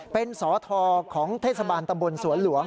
เป็นสทของเทศบาลตำบลสวนหลวง